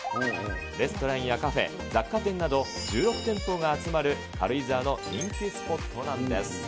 レストランやカフェ、雑貨店など１６店舗が集まる軽井沢の人気スポットなんです。